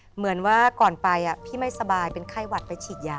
เหมือนว่าก่อนไปพี่ไม่สบายเป็นไข้หวัดไปฉีดยา